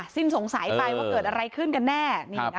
สิ้นสงสัยไปว่าเกิดอะไรขึ้นกันแน่